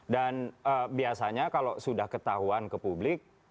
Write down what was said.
dan biasanya kalau sudah ketahuan ke publik